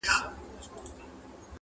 په ډکي هدیرې دي نن سبا په کرنتین کي-